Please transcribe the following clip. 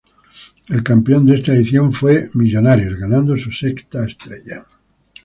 El campeón de esta edición fue Millonarios, ganando su sexta estrella.